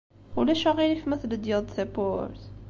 Ulac aɣilif ma tledyeḍ-d tawwurt?